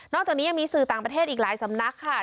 จากนี้ยังมีสื่อต่างประเทศอีกหลายสำนักค่ะ